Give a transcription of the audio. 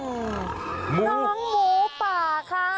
น้องหมูป่าค่ะ